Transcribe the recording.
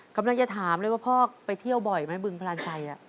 กำลังจะถามเลยว่าพ่อไปเที่ยวบ่อยไหมบึงพลานใจ